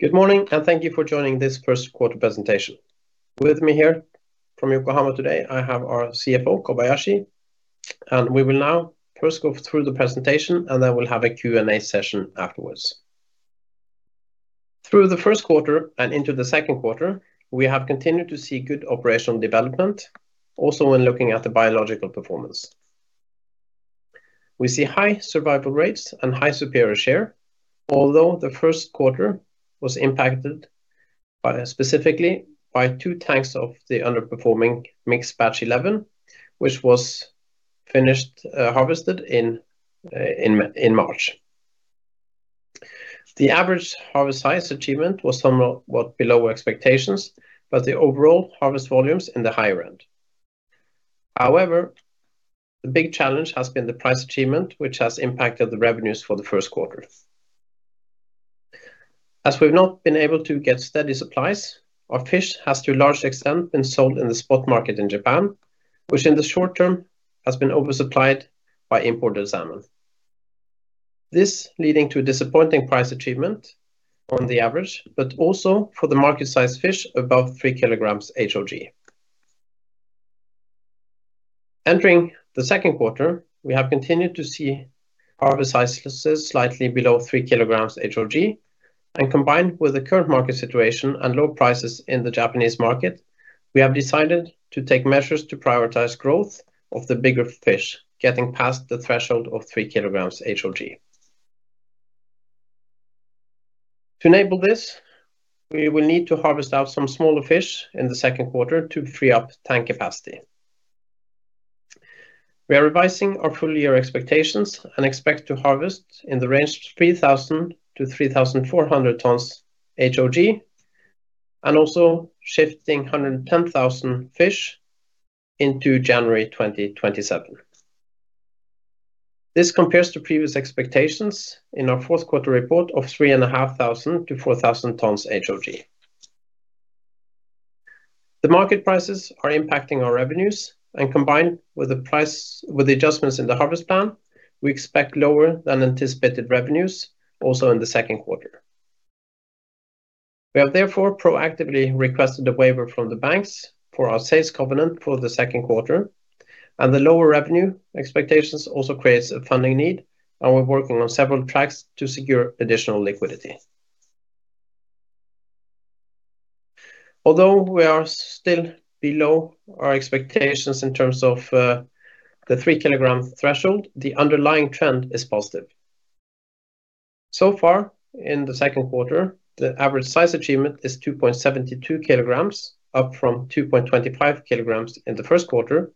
Good morning, thank you for joining this first quarter presentation. With me here from Yokohama today, I have our CFO, Kobayashi. We will now first go through the presentation, and then we'll have a Q and A session afterwards. Through the first quarter and into the second quarter, we have continued to see good operational development, also when looking at the biological performance. We see high survival rates and high superior share. Although the first quarter was impacted specifically by two tanks of the underperforming mixed batch 11, which was harvested in March. The average harvest size achievement was somewhat below expectations, but the overall harvest volumes in the higher end. However, the big challenge has been the price achievement, which has impacted the revenues for the first quarter. As we've not been able to get steady supplies, our fish has to a large extent been sold in the spot market in Japan, which in the short term has been oversupplied by imported salmon. This leading to disappointing price achievement on the average, but also for the market size fish above three kilograms HOG. Entering the second quarter, we have continued to see harvest sizes slightly below three kilograms HOG. And combined with the current market situation and low prices in the Japanese market, we have decided to take measures to prioritize growth of the bigger fish, getting past the threshold of three kilograms HOG. To enable this, we will need to harvest out some smaller fish in the second quarter to free up tank capacity. We are revising our full year expectations and expect to harvest in the range of 3,000-3,400 tons HOG, and also shifting 110,000 fish into January 2027. This compares to previous expectations in our fourth quarter report of 3,500-4,000 tons HOG. The market prices are impacting our revenues and combined with the adjustments in the harvest plan, we expect lower than anticipated revenues also in the second quarter. We have therefore proactively requested a waiver from the banks for our sales covenant for the second quarter, and the lower revenue expectations also creates a funding need, and we're working on several tracks to secure additional liquidity. Although we are still below our expectations in terms of the 3-kilogram threshold, the underlying trend is positive. Far in the second quarter, the average size achievement is 2.72 kilograms, up from 2.25 kilograms in the first quarter.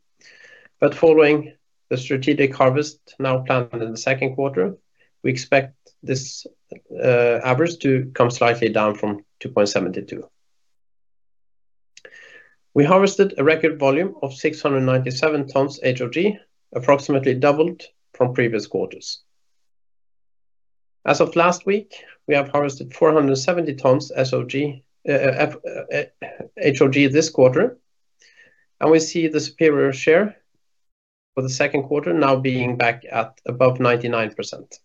Following the strategic harvest now planned in the second quarter, we expect this average to come slightly down from 2.72. We harvested a record volume of 697 tons HOG, approximately doubled from previous quarters. As of last week, we have harvested 470 tons HOG this quarter, and we see the superior share for the second quarter now being back at above 99%.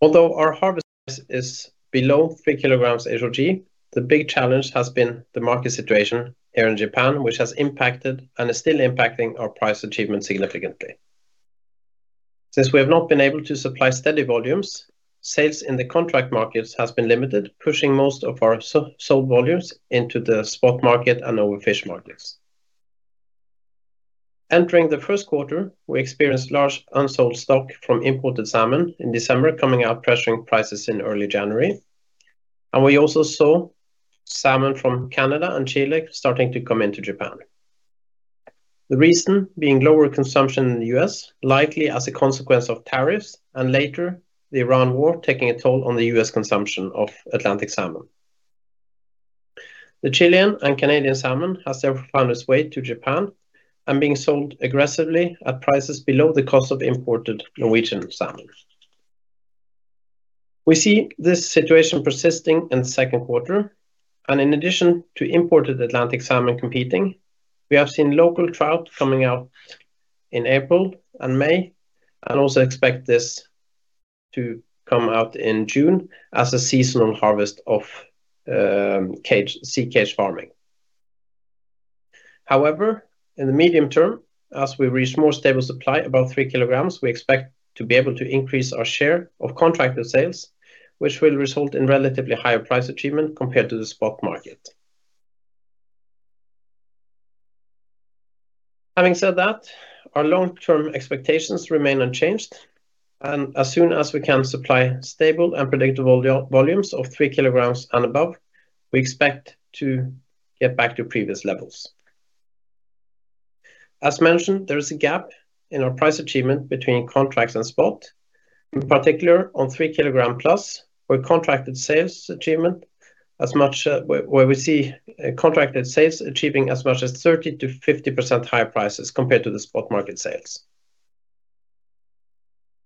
Although our harvest is below 3 kilograms HOG, the big challenge has been the market situation here in Japan, which has impacted and is still impacting our price achievement significantly. Since we have not been able to supply steady volumes, sales in the contract markets has been limited, pushing most of our sold volumes into the spot market and overflow markets. Entering the first quarter, we experienced large unsold stock from imported salmon in December, coming out pressuring prices in early January, and we also saw salmon from Canada and Chile starting to come into Japan. The reason being lower consumption in the U.S., likely as a consequence of tariffs, and later the Iran war taking a toll on the U.S. consumption of Atlantic salmon. The Chilean and Canadian salmon has therefore found its way to Japan and being sold aggressively at prices below the cost of imported Norwegian salmon. We see this situation persisting in the second quarter, and in addition to imported Atlantic salmon competing, we have seen local trout coming out in April and May, and also expect this to come out in June as a seasonal harvest of sea cage farming. In the medium term, as we reach more stable supply above three kilograms, we expect to be able to increase our share of contracted sales, which will result in relatively higher price achievement compared to the spot market. Having said that, our long-term expectations remain unchanged, as soon as we can supply stable and predictable volumes of three kilograms and above, we expect to get back to previous levels. As mentioned, there is a gap in our price achievement between contracts and spot. In particular, on three kilogram plus, where we see contracted sales achieving as much as 30%-50% higher prices compared to the spot market sales.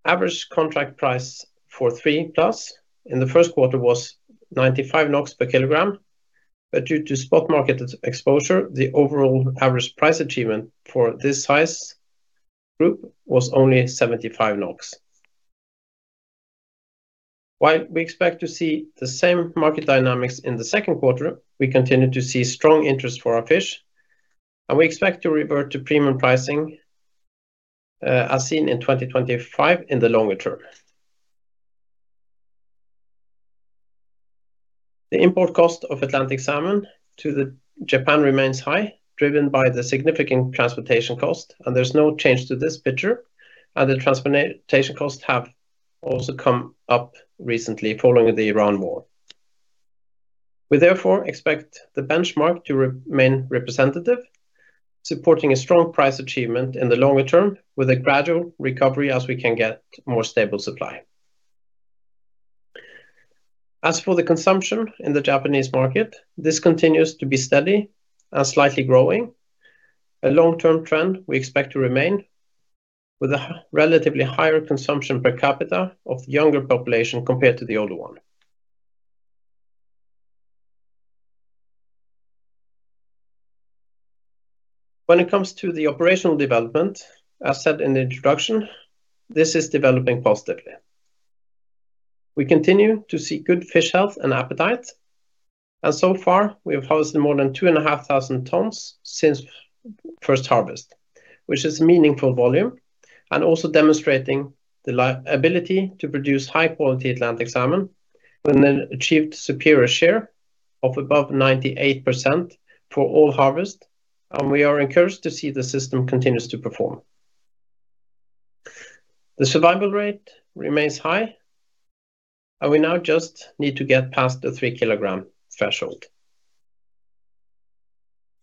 Average contract price for three plus in the first quarter was 95 NOK per kilogram. Due to spot market exposure, the overall average price achievement for this size group was only 75 NOK. While we expect to see the same market dynamics in the second quarter, we continue to see strong interest for our fish. We expect to revert to premium pricing, as seen in 2025 in the longer term. The import cost of Atlantic salmon to Japan remains high, driven by the significant transportation cost. There's no change to this picture. The transportation costs have also come up recently following the Iran war. We therefore expect the benchmark to remain representative, supporting a strong price achievement in the longer term with a gradual recovery as we can get more stable supply. As for the consumption in the Japanese market, this continues to be steady and slightly growing. A long-term trend we expect to remain with a relatively higher consumption per capita of the younger population compared to the older one. When it comes to the operational development, as said in the introduction, this is developing positively. We continue to see good fish health and appetite. So far, we have housed more than 2,500 tons since first harvest, which is meaningful volume and also demonstrating the ability to produce high-quality Atlantic salmon. Then achieved superior share of above 98% for all harvest. We are encouraged to see the system continues to perform. The survival rate remains high. We now just need to get past the 3-kilogram threshold.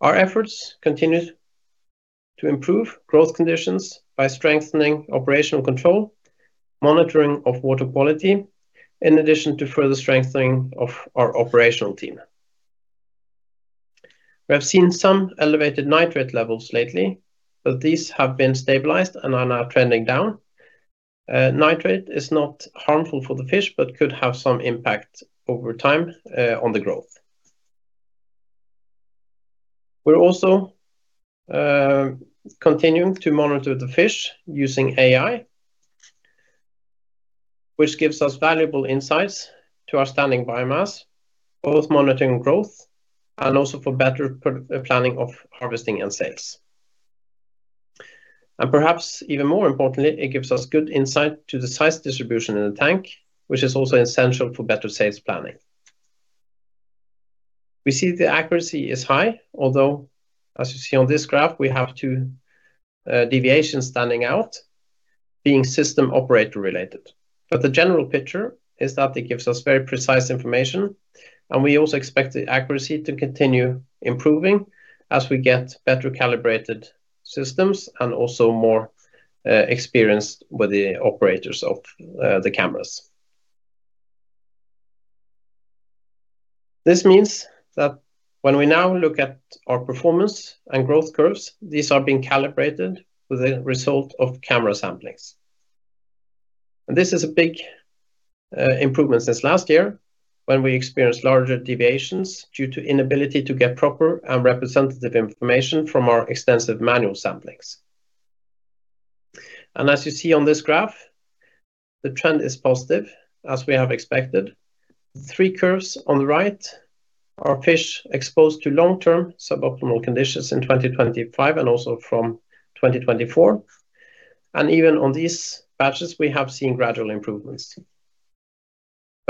Our efforts continue to improve growth conditions by strengthening operational control, monitoring of water quality, in addition to further strengthening of our operational team. We have seen some elevated nitrate levels lately. These have been stabilized and are now trending down. Nitrate is not harmful for the fish but could have some impact over time on the growth. We're also continuing to monitor the fish using AI, which gives us valuable insights to our standing biomass, both monitoring growth and also for better planning of harvesting and sales. Perhaps even more importantly, it gives us good insight to the size distribution in the tank, which is also essential for better sales planning. We see the accuracy is high, although, as you see on this graph, we have two deviations standing out being system operator related. The general picture is that it gives us very precise information, and we also expect the accuracy to continue improving as we get better calibrated systems and also more experience with the operators of the cameras. This means that when we now look at our performance and growth curves, these are being calibrated with the result of camera samplings. This is a big improvement since last year when we experienced larger deviations due to inability to get proper and representative information from our extensive manual samplings. As you see on this graph, the trend is positive as we have expected. Three curves on the right are fish exposed to long-term suboptimal conditions in 2025 and also from 2024. Even on these batches, we have seen gradual improvements.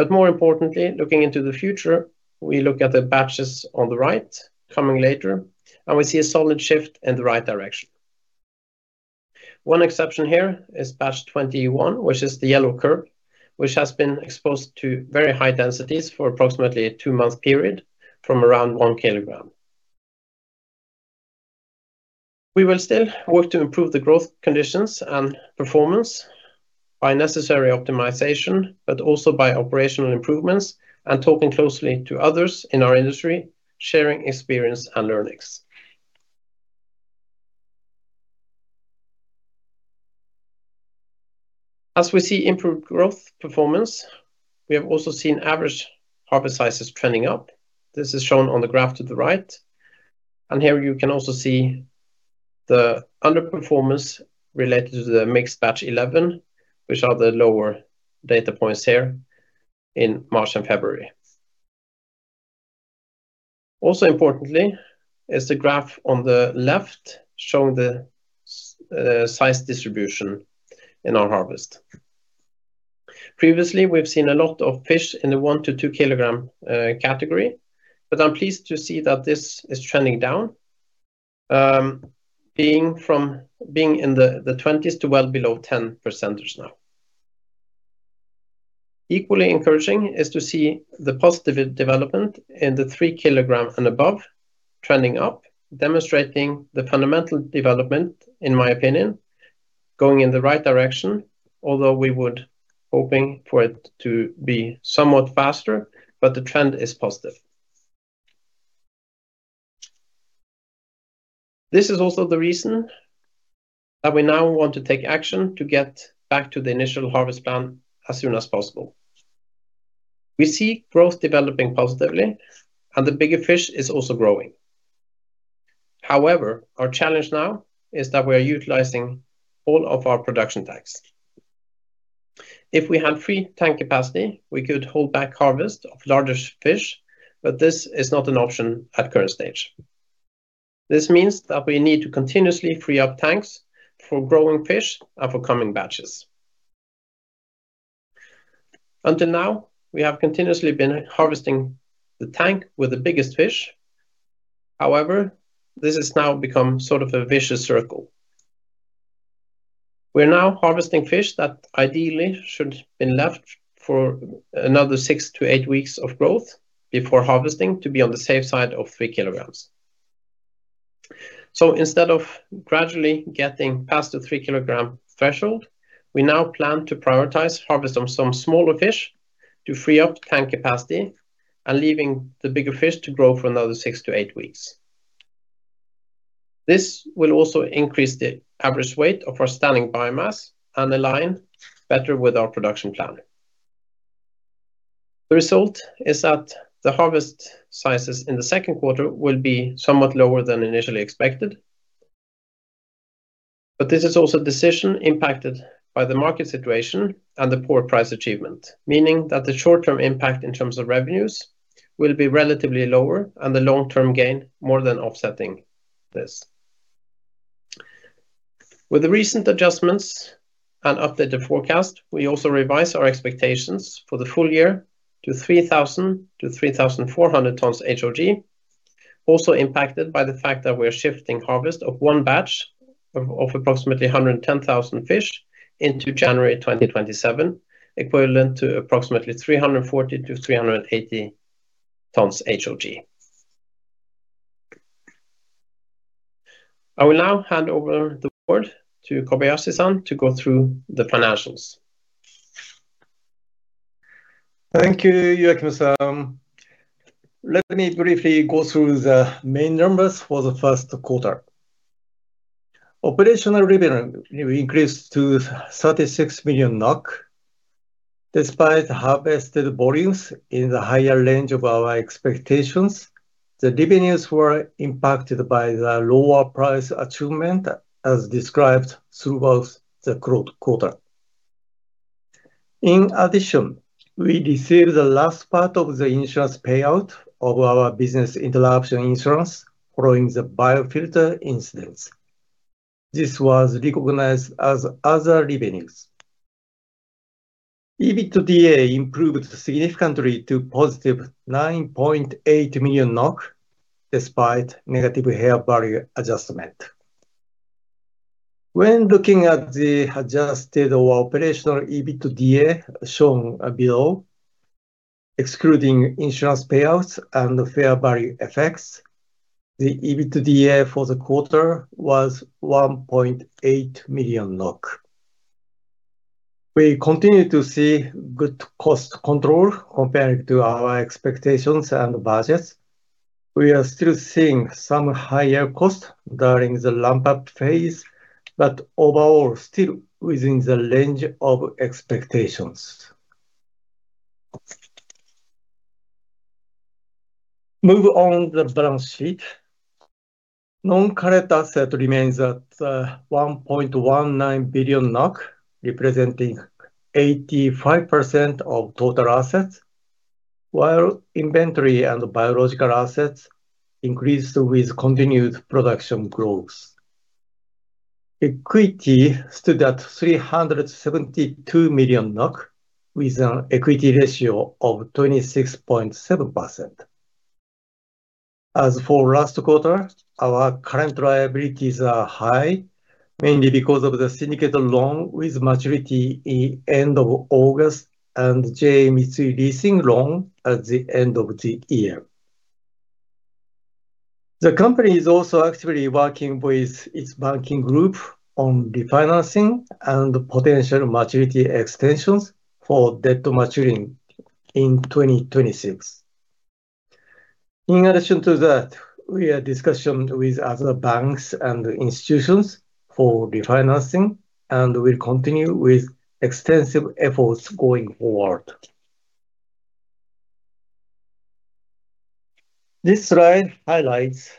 More importantly, looking into the future, we look at the batches on the right coming later, and we see a solid shift in the right direction. One exception here is batch 21, which is the yellow curve, which has been exposed to very high densities for approximately two months period from around one kilogram. We will still work to improve the growth conditions and performance by necessary optimization, but also by operational improvements and talking closely to others in our industry, sharing experience and learnings. As we see improved growth performance, we have also seen average harvest sizes trending up. This is shown on the graph to the right. Here you can also see the underperformance related to the mixed batch 11, which are the lower data points here in March and February. Also importantly is the graph on the left showing the size distribution in our harvest. Previously, we've seen a lot of fish in the 1 to 2-kilogram category, but I'm pleased to see that this is trending down, being in the 20s to well below 10% now. Equally encouraging is to see the positive development in the three kilograms and above trending up, demonstrating the fundamental development, in my opinion, going in the right direction, although we would hoping for it to be somewhat faster, but the trend is positive. This is also the reason that we now want to take action to get back to the initial harvest plan as soon as possible. We see growth developing positively, and the bigger fish is also growing. However, our challenge now is that we are utilizing all of our production tanks. If we had free tank capacity, we could hold back harvest of larger fish, but this is not an option at current stage. This means that we need to continuously free up tanks for growing fish and for coming batches. Until now, we have continuously been harvesting the tank with the biggest fish. This has now become sort of a vicious circle. We are now harvesting fish that ideally should been left for another six to eight weeks of growth before harvesting to be on the safe side of three kilograms. Instead of gradually getting past the three-kilogram threshold, we now plan to prioritize harvest on some smaller fish to free up tank capacity and leaving the bigger fish to grow for another six to eight weeks. This will also increase the average weight of our standing biomass and align better with our production plan. The result is that the harvest sizes in the second quarter will be somewhat lower than initially expected. This is also a decision impacted by the market situation and the poor price achievement, meaning that the short-term impact in terms of revenues will be relatively lower and the long-term gain more than offsetting this. With the recent adjustments and updated forecast, we also revised our expectations for the full year to 3,000 to 3,400 tons HOG, also impacted by the fact that we are shifting harvest of one batch of approximately 110,000 fish into January 2027, equivalent to approximately 340 to 380 tons HOG. I will now hand over the board to Kobayashi-san to go through the financials. Thank you, Joachim-san. Let me briefly go through the main numbers for the first quarter. Operational revenue increased to 36 million NOK. Despite harvested volumes in the higher range of our expectations, the revenues were impacted by the lower price achievement as described throughout the quarter. In addition, we received the last part of the insurance payout of our business interruption insurance following the biofilter incidents. This was recognized as other revenues. EBITDA improved significantly to positive 9.8 million NOK, despite negative fair value adjustment. When looking at the adjusted operational EBITDA shown below, excluding insurance payouts and fair value effects, the EBITDA for the quarter was 1.8 million NOK. We continue to see good cost control compared to our expectations and budgets. We are still seeing some higher costs during the ramp-up phase, but overall still within the range of expectations. Move on the balance sheet. Non-current assets remains at 1.19 billion NOK, representing 85% of total assets, while inventory and biological assets increased with continued production growth. Equity stood at 372 million NOK, with an equity ratio of 26.7%. As for last quarter, our current liabilities are high, mainly because of the syndicated loan with maturity in end of August and JA Mitsui Leasing loan at the end of the year. The company is also actively working with its banking group on refinancing and potential maturity extensions for debt maturing in 2026. In addition to that, we are in discussion with other banks and institutions for refinancing and will continue with extensive efforts going forward. This slide highlights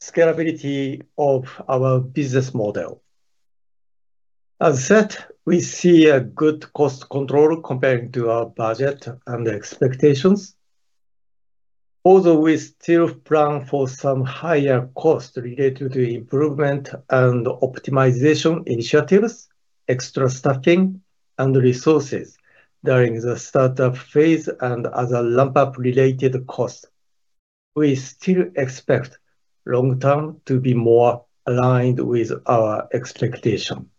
scalability of our business model. As said, we see a good cost control compared to our budget and expectations. Although we still plan for some higher costs related to improvement and optimization initiatives, extra staffing, and resources during the startup phase and other ramp-up related costs, we still expect long term to be more aligned with our expectation.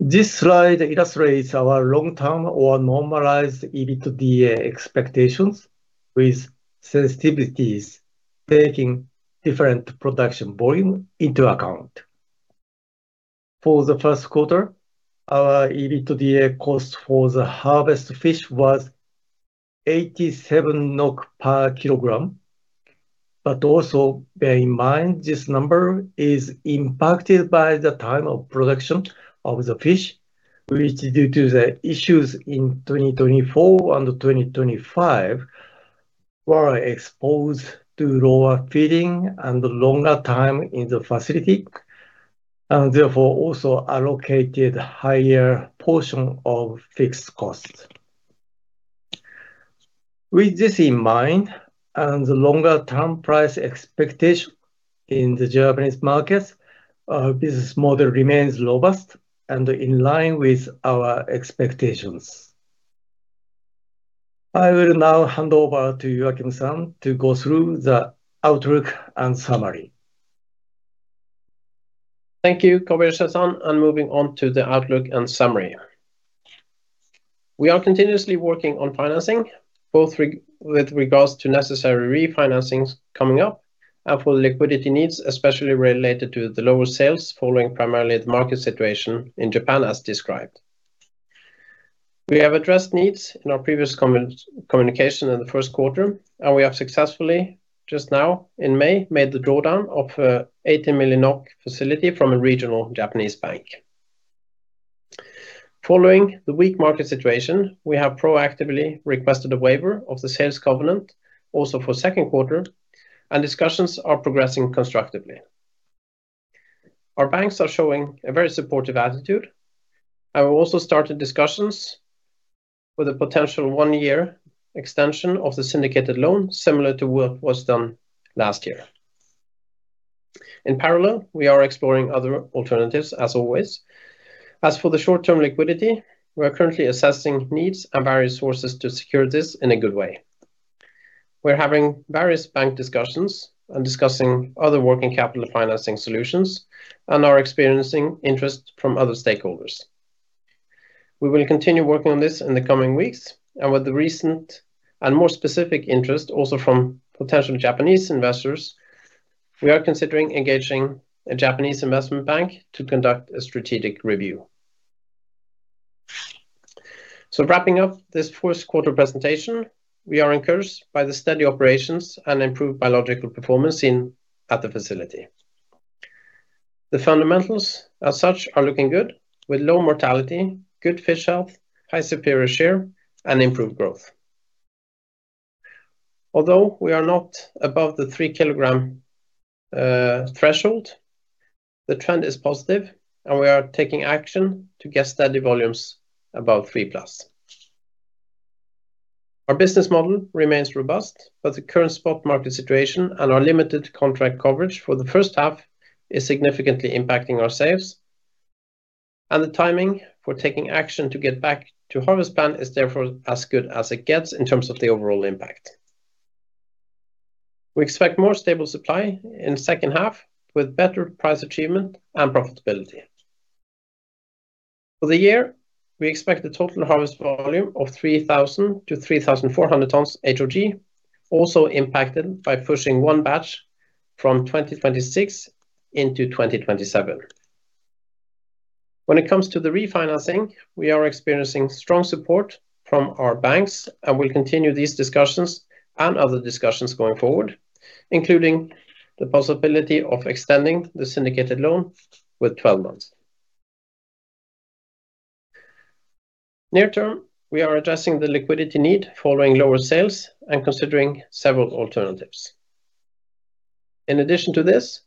This slide illustrates our long-term or normalized EBITDA expectations with sensitivities, taking different production volume into account. For the first quarter, our EBITDA cost for the harvest fish was 87 NOK per kilogram. Also bear in mind, this number is impacted by the time of production of the fish, which due to the issues in 2024 and 2025, were exposed to lower feeding and longer time in the facility, and therefore also allocated higher portion of fixed costs. With this in mind, and the longer-term price expectation in the Japanese markets, our business model remains robust and in line with our expectations. I will now hand over to Joachim Nielsen to go through the outlook and summary. Thank you, Kobayashi-san. Moving on to the outlook and summary. We are continuously working on financing, both with regards to necessary refinancings coming up and for liquidity needs, especially related to the lower sales following primarily the market situation in Japan as described. We have addressed needs in our previous communication in the first quarter. We have successfully just now in May, made the drawdown of a 80 million NOK facility from a regional Japanese bank. Following the weak market situation, we have proactively requested a waiver of the sales covenant also for second quarter. Discussions are progressing constructively. Our banks are showing a very supportive attitude. We also started discussions with a potential one-year extension of the syndicated loan, similar to what was done last year. In parallel, we are exploring other alternatives as always. As for the short-term liquidity, we're currently assessing needs and various sources to secure this in a good way. We're having various bank discussions and discussing other working capital financing solutions and are experiencing interest from other stakeholders. We will continue working on this in the coming weeks and with the recent and more specific interest also from potential Japanese investors, we are considering engaging a Japanese investment bank to conduct a strategic review. Wrapping up this first quarter presentation, we are encouraged by the steady operations and improved biological performance at the facility. The fundamentals as such are looking good with low mortality, good fish health, high superior share, and improved growth. Although we are not above the three-kilogram threshold, the trend is positive, and we are taking action to get steady volumes above three plus. Our business model remains robust, but the current spot market situation and our limited contract coverage for the first half is significantly impacting our sales. The timing for taking action to get back to harvest plan is therefore as good as it gets in terms of the overall impact. We expect more stable supply in second half with better price achievement and profitability. For the year, we expect a total harvest volume of 3,000 to 3,400 tons HOG also impacted by pushing one batch from 2026 into 2027. When it comes to the refinancing, we are experiencing strong support from our banks and will continue these discussions and other discussions going forward, including the possibility of extending the syndicated loan with 12 months. Near term, we are addressing the liquidity need following lower sales and considering several alternatives. In addition to this,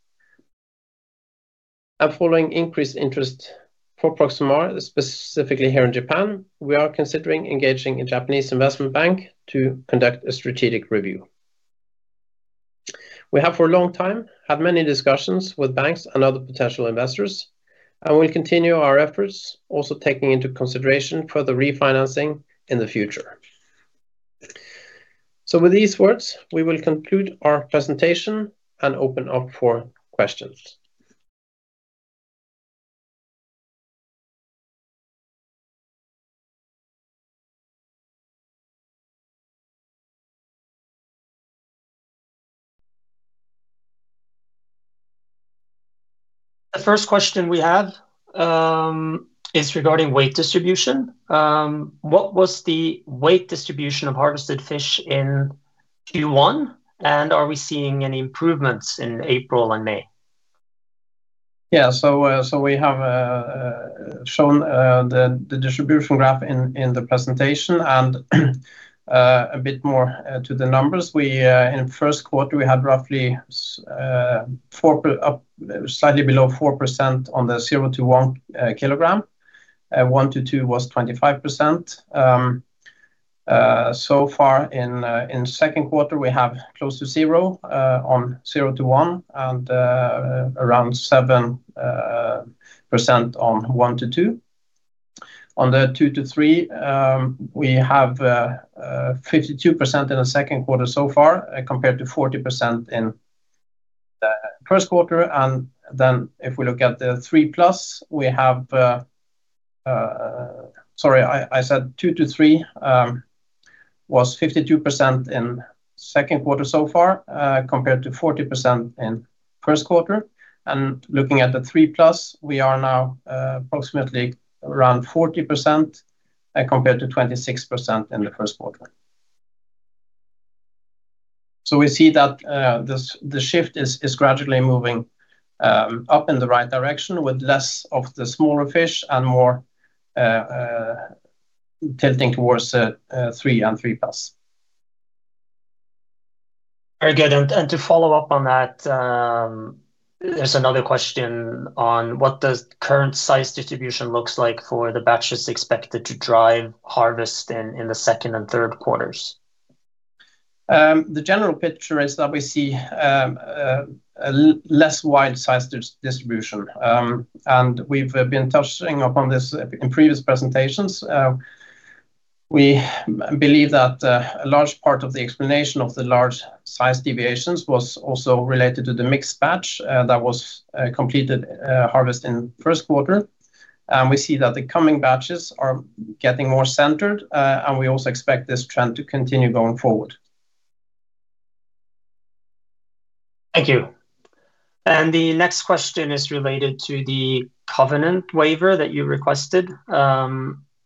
and following increased interest for Proximar, specifically here in Japan, we are considering engaging a Japanese investment bank to conduct a strategic review. We have for a long time had many discussions with banks and other potential investors, and we will continue our efforts also taking into consideration further refinancing in the future. With these words, we will conclude our presentation and open up for questions. The first question we have is regarding weight distribution. What was the weight distribution of harvested fish in Q1? Are we seeing any improvements in April and May? Yeah. We have shown the distribution graph in the presentation and a bit more to the numbers. In the first quarter, we had roughly slightly below 4% on the zero to one kilogram. One to two was 25%. Far in second quarter, we have close to zero on zero to one, and around 7% on one to two. On the two to three, we have 52% in the second quarter so far compared to 40% in the first quarter. If we look at the 3+, we have, sorry, I said two to three was 52% in second quarter so far compared to 40% in first quarter. Looking at the 3+, we are now approximately around 40% compared to 26% in the first quarter. We see that the shift is gradually moving up in the right direction with less of the smaller fish and more tilting towards 3 and 3+. Very good. To follow up on that, there's another question on what the current size distribution looks like for the batches expected to drive harvest in the second and third quarters. The general picture is that we see a less wide size distribution. We've been touching upon this in previous presentations. We believe that a large part of the explanation of the large size deviations was also related to the mixed batch that was completed harvest in the first quarter. We see that the coming batches are getting more centered, and we also expect this trend to continue going forward. Thank you. The next question is related to the covenant waiver that you requested.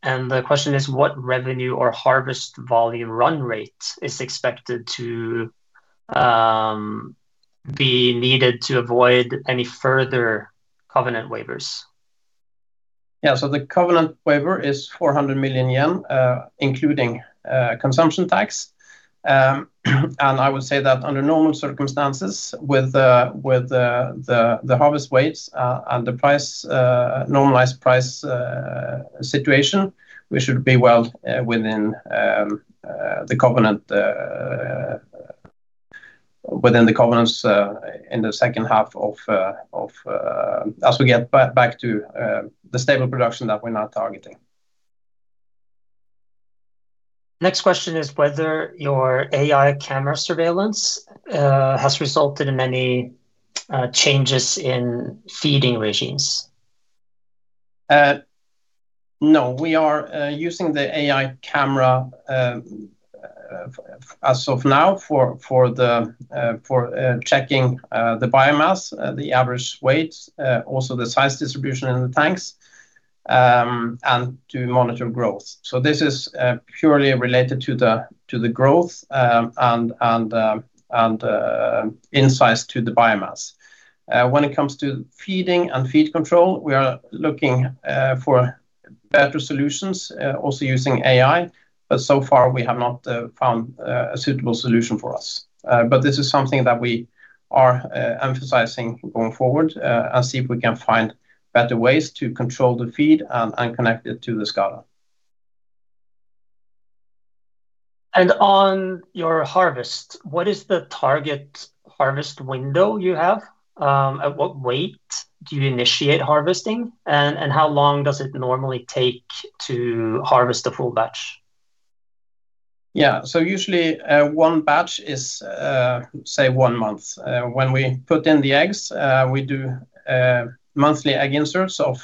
The question is, what revenue or harvest volume run rate is expected to be needed to avoid any further covenant waivers? Yeah. The covenant waiver is 400 million yen, including consumption tax. I would say that under normal circumstances, with the harvest weights and the normalized price situation, we should be well within the covenants in the second half as we get back to the stable production that we’re now targeting. Next question is whether your AI camera surveillance has resulted in any changes in feeding regimes. No, we are using the AI camera as of now for checking the biomass, the average weight, also the size distribution in the tanks, and to monitor growth. This is purely related to the growth and insights to the biomass. When it comes to feeding and feed control, we are looking for better solutions, also using AI, but so far we have not found a suitable solution for us. This is something that we are emphasizing going forward and see if we can find better ways to control the feed and connect it to the SCADA. On your harvest, what is the target harvest window you have? At what weight do you initiate harvesting, and how long does it normally take to harvest a full batch? Yeah. Usually, one batch is, say, one month. When we put in the eggs, we do monthly egg inserts of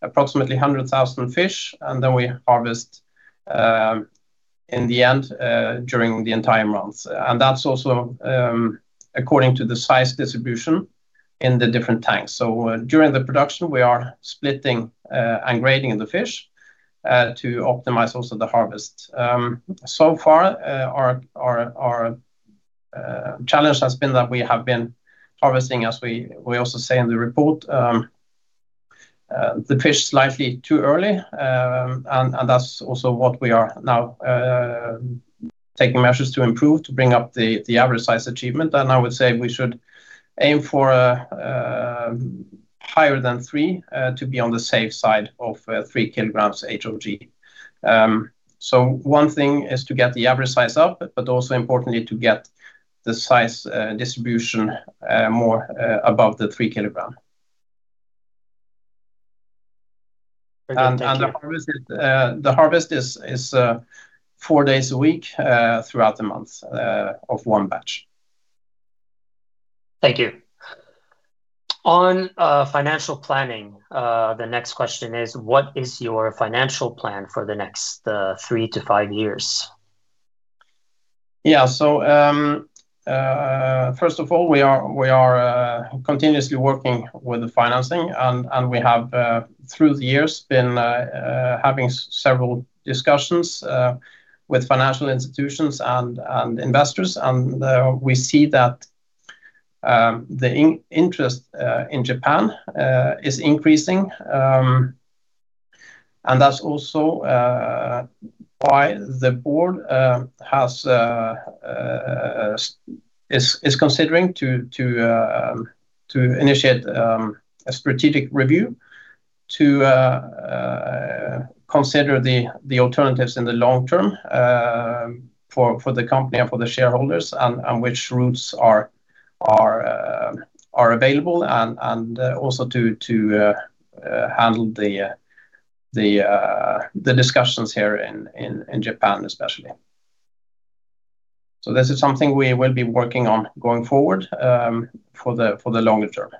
approximately 100,000 fish, and then we harvest in the end during the entire month. That's also according to the size distribution in the different tanks. During the production, we are splitting and grading the fish to optimize also the harvest. So far, our challenge has been that we have been harvesting, as we also say in the report, the fish slightly too early, and that's also what we are now taking measures to improve, to bring up the average size achievement. I would say we should aim for higher than three to be on the safe side of three kilograms HOG. One thing is to get the average size up, but also importantly, to get the size distribution more above the three kilogram. Very good. Thank you. The harvest is four days a week throughout the month of one batch. Thank you. On financial planning, the next question is, what is your financial plan for the next three to five years? Yeah. First of all, we are continuously working with the financing, and we have, through the years, been having several discussions with financial institutions and investors. We see that the interest in Japan is increasing. That's also why the board is considering to initiate a strategic review to consider the alternatives in the long term for the company and for the shareholders and which routes are available and also to handle the discussions here in Japan, especially. This is something we will be working on going forward for the longer term.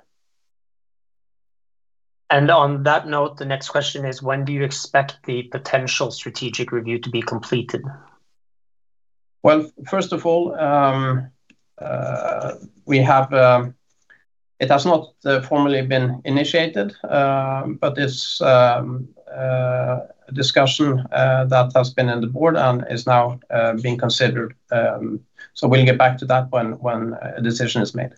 On that note, the next question is, when do you expect the potential strategic review to be completed? Well, first of all, it has not formally been initiated, but it’s a discussion that has been in the board and is now being considered. We’ll get back to that when a decision is made.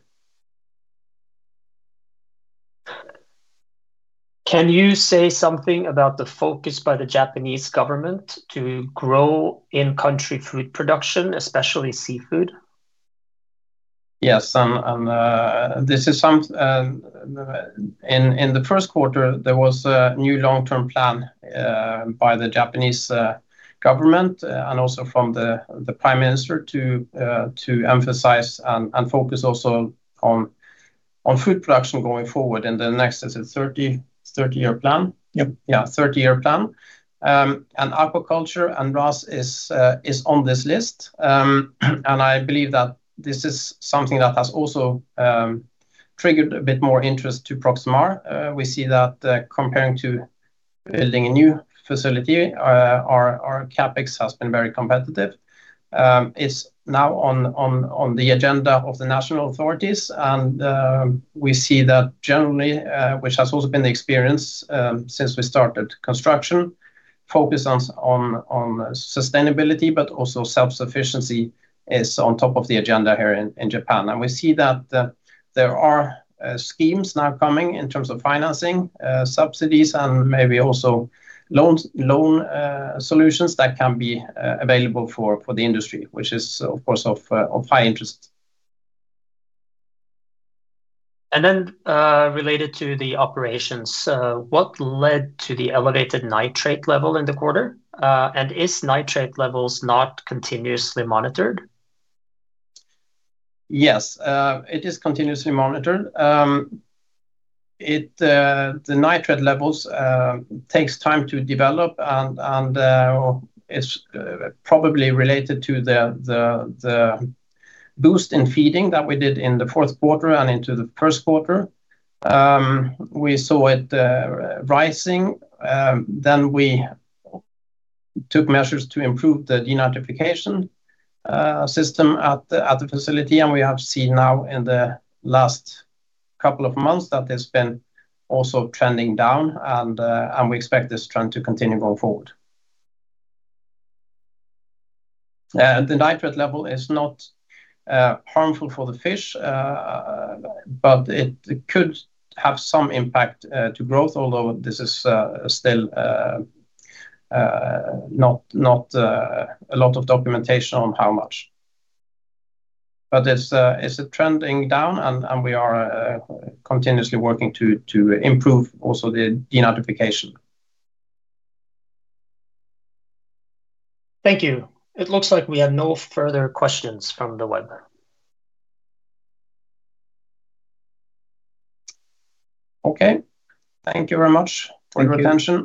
Can you say something about the focus by the Japanese government to grow in-country food production, especially seafood? Yes. In the first quarter, there was a new long-term plan by the Japanese government and also from the prime minister to emphasize and focus also on food production going forward in the next, is it 30-year plan? Yep. Yeah, 30-year plan. Aquaculture and RAS is on this list. I believe that this is something that has also triggered a bit more interest to Proximar. We see that comparing to building a new facility, our CapEx has been very competitive. It's now on the agenda of the national authorities, and we see that generally, which has also been the experience since we started construction, focus on sustainability, but also self-sufficiency is on top of the agenda here in Japan. We see that there are schemes now coming in terms of financing subsidies and maybe also loan solutions that can be available for the industry, which is, of course, of high interest. Related to the operations, what led to the elevated nitrate level in the quarter? Is nitrate levels not continuously monitored? Yes, it is continuously monitored. The nitrate levels takes time to develop and is probably related to the boost in feeding that we did in the fourth quarter and into the first quarter. We saw it rising. We took measures to improve the denitrification system at the facility. We have seen now in the last couple of months that it's been also trending down, and we expect this trend to continue going forward. The nitrate level is not harmful for the fish, but it could have some impact to growth, although this is still not a lot of documentation on how much. It's trending down, and we are continuously working to improve also the denitrification. Thank you. It looks like we have no further questions from the web. Okay. Thank you very much for your attention.